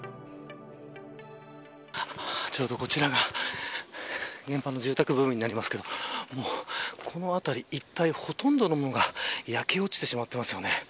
ちょうど、こちらが現場の住宅部分になりますがこの辺り一帯ほとんどのものが焼け落ちてしまっていますよね。